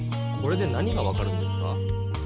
これで何が分かるんですか？